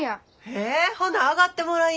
へえほな上がってもらい。